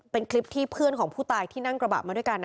เป็นคลิปที่เพื่อนของผู้ตายที่นั่งกระบะมาด้วยกัน